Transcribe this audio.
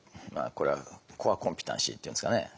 これはコアコンピテンシーっていうんですかね。